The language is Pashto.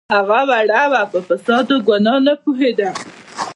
هغه وړه وه په فساد او ګناه نه پوهیده